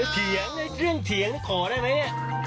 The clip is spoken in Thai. เถียงเรื่องเถียงขอได้ไหม